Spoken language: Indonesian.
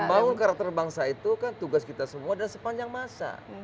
membangun karakter bangsa itu kan tugas kita semua adalah sepanjang masa